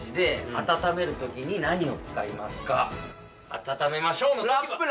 温めましょうのとき